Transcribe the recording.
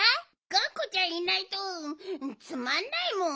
がんこちゃんいないとつまんないもん。